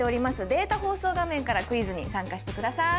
データ放送画面からクイズに参加してください。